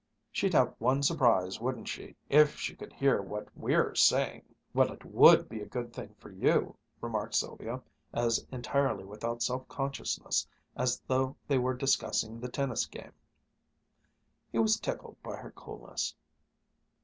She'd have one surprise, wouldn't she, if she could hear what we're saying!" "Well, it would be a good thing for you," remarked Sylvia, as entirely without self consciousness as though they were discussing the tennis game. He was tickled by her coolness.